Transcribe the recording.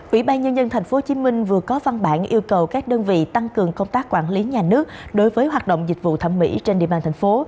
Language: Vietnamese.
ủy ban nhân dân tp hcm vừa có văn bản yêu cầu các đơn vị tăng cường công tác quản lý nhà nước đối với hoạt động dịch vụ thẩm mỹ trên địa bàn thành phố